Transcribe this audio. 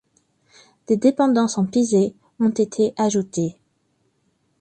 Des dépendances en pisé ont été ajoutés.